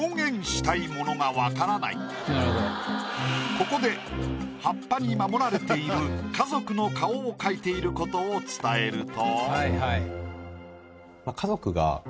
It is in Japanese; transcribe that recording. ここで葉っぱに守られている家族の顔を描いていることを伝えると。